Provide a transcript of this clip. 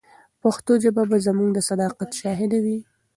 پښتو ژبه به زموږ د صداقت شاهده وي.